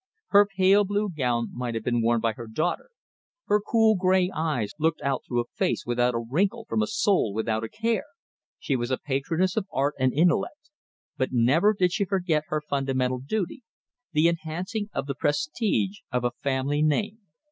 Her pale blue gown might have been worn by her daughter; her cool grey eyes looked out through a face without a wrinkle from a soul without a care. She was a patroness of art and intellect; but never did she forget her fundamental duty, the enhancing of the prestige of a family name.